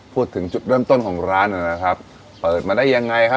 พูดถึงจุดเริ่มต้นของร้านหน่อยนะครับเปิดมาได้ยังไงครับ